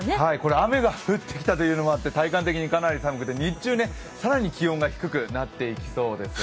雨が降ってきたのもあって体感的にかなり寒くて日中、更に気温が低くなっていきそうです。